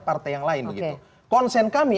partai yang lain begitu konsen kami